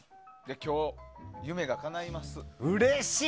今日、夢がかないます。